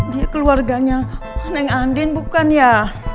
dia keluarganya neng andin bukan ya